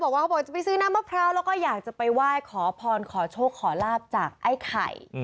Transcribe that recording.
บอกว่าเขาบอกจะไปซื้อน้ำมะพร้าวแล้วก็อยากจะไปไหว้ขอพรขอโชคขอลาบจากไอ้ไข่